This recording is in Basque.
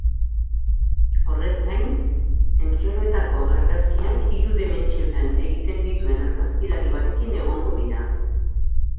Horrez gain, entzierroetako argazkiak hiru dimentsioetan egiten dituen argazkilari batekin egongo dira.